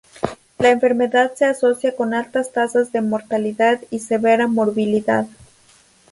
La enfermedad se asocia con altas tasas de mortalidad y severa morbilidad.